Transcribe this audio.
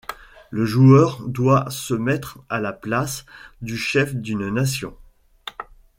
Le joueur doit se mettre à la place du chef d'une nation.